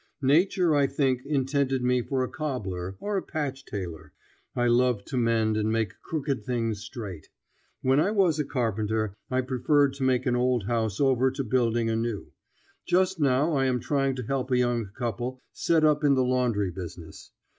Nature, I think, intended me for a cobbler, or a patch tailor. I love to mend and make crooked things straight. When I was a carpenter I preferred to make an old house over to building a new. Just now I am trying to help a young couple set up in the laundry business.